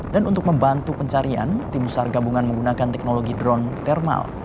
dan untuk membantu pencarian tim besar gabungan menggunakan teknologi drone thermal